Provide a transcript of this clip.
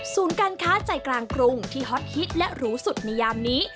การค้าใจกลางกรุงที่ฮอตฮิตและหรูสุดในยามนี้